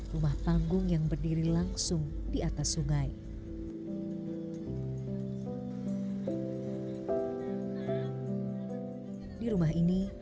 rumah panggung yang berdiri langsung di bawah rumah kayu sederhana ini